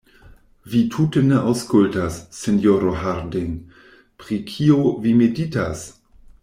Vi tute ne aŭskultas, sinjoro Harding; pri kio vi meditas?